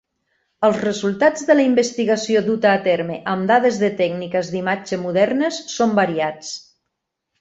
Els resultats de la investigació duta a terme amb dades de tècniques d'imatge modernes són variats.